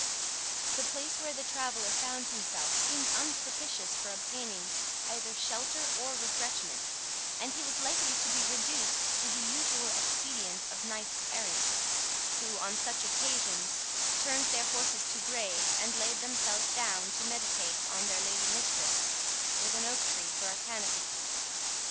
The place where the traveller found himself seemed unpropitious for obtaining either shelter or refreshment, and he was likely to be reduced to the usual expedient of knights errant, who, on such occasions, turned their horses to graze, and laid themselves down to meditate on their lady mistress, with an oak tree for a canopy.